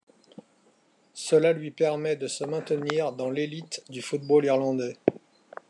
Cela lui permet de se maintenir dans l'élite du football irlandais.